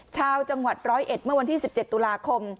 ชาวจังหวัด๑๐๑เมื่อวันที่๑๗ตุลาคม